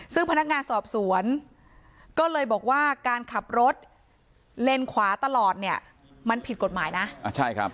ซึ่งพนักงานสอบสวนก็เลยบอกว่าการขับรถเลนขวาตลอดเนี่ยมันผิดกฎหมายนะอ่าใช่ครับ